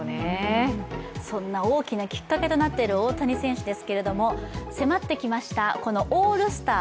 そんな大きなきっかけとなっている大谷選手ですけども、迫ってきましたオールスター